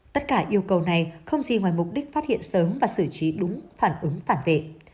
tất cả yêu cầu này không gì ngoài mục đích phát hiện sớm và xử trí đúng phản ứng phản vệ